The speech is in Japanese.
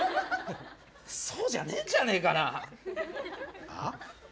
そうじゃねえんじゃねえかな？あっ？